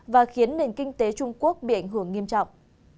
và khiến nền kinh tế trung quốc bị ảnh hưởng nghiêm trọng